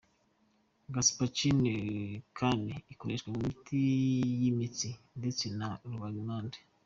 Capsaïcine kandi ikoreshwa mu miti y’imitsi ndetse na rubagimpande.